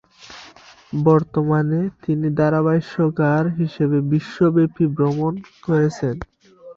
বর্তমানে তিনি ধারাভাষ্যকার হিসেবে বিশ্বব্যাপী ভ্রমণ করছেন।